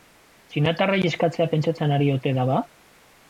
Txinatarrei eskatzea pentsatzen ari ote da ba?